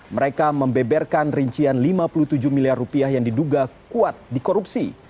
mereka membeberkan rincian lima puluh tujuh miliar rupiah yang diduga kuat di korupsi